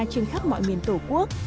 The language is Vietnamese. trên khắp mọi miền tổ quốc